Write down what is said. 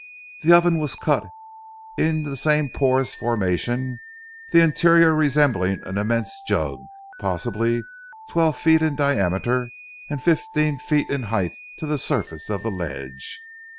The oven was cut in the same porous formation, the interior resembling an immense jug, possibly twelve feet in diameter and fifteen feet in height to the surface of the ledge.